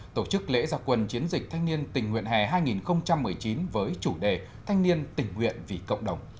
tổ chức lễ gia quân chiến dịch thanh niên tình nguyện hè hai nghìn một mươi chín với chủ đề thanh niên tình nguyện vì cộng đồng